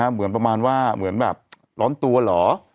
เหมือนว่าร้อนตัวหรอ